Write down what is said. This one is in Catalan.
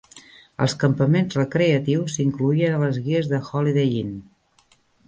Els campaments recreatius s'incloïen a les guies de Holiday Inn.